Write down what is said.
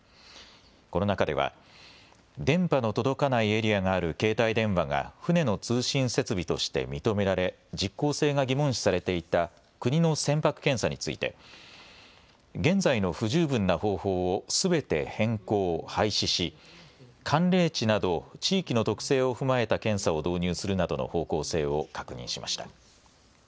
この中では電波の届かないエリアがある携帯電話が船の通信設備として認められ実効性が疑問視されていた国の船舶検査について現在の不十分な方法をすべて変更・廃止し寒冷地など地域の特性を踏まえた検査を導入するなどの方向性を確認しました。